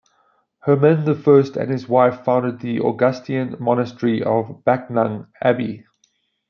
Hermann the First and his wife founded the Augustinian monastery of Backnang Abbey.